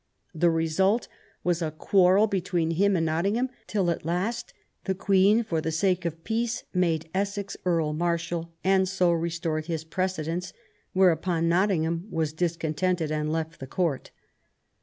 The result was a quarrel between him and Nottingham, till at last the Queen for the sake of peace niade Essex Earl Marshal, and so restored his precedence, whereupon Nottingham was discontented and left the Court.